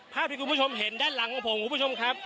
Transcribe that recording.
ภาพิคุณผู้ชมเห็นด้านหลังของผม